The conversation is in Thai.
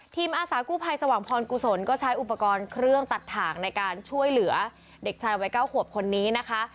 อาสากู้ภัยสว่างพรกุศลก็ใช้อุปกรณ์เครื่องตัดถ่างในการช่วยเหลือเด็กชายวัย๙ขวบคนนี้นะคะ